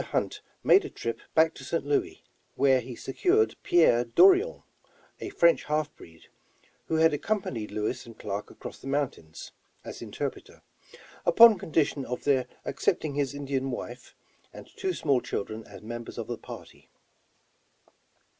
Hunt made a trip back to St. Louis, where he secured Pierre Dorion, a French half breed, who had accompanied Lewis and Clark across the mountains, as interpreter, upon condition of their accepting his Indian wife, and two small children as members of the party.